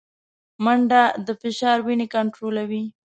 منډه د فشار وینې کنټرولوي